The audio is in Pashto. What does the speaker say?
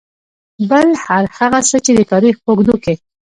بل هر هغه څه چې د تاريخ په اوږدو کې .